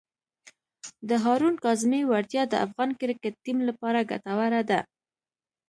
د هارون کاظمي وړتیا د افغان کرکټ ټیم لپاره ګټوره ده.